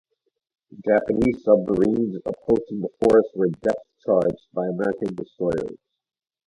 Japanese submarines approaching the force were depth-charged by American destroyers.